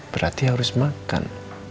berarti harus makan